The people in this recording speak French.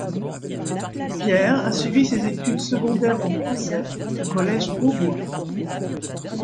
Pierre a suivi ses études secondaires en français au Collège Beaubois.